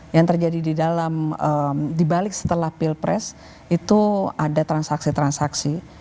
yang terjadi di dalam dibalik setelah pilpres itu ada transaksi transaksi